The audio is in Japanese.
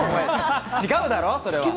違うだろ。